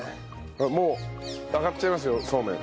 もうあがっちゃいますよそうめん。